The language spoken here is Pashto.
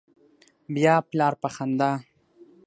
بیا پلار په خندا